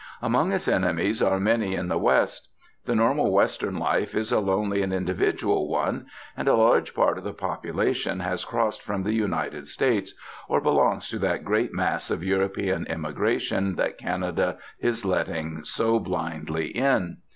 Among its enemies are many in the West. The normal Western life is a lonely and individual one; and a large part of the population has crossed from the United States, or belongs to that great mass of European immigration that Canada is letting so blindly in.